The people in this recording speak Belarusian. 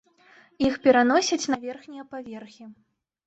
Іх пераносяць на верхнія паверхі.